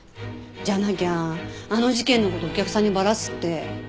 じゃなきゃあの事件の事お客さんにバラすって。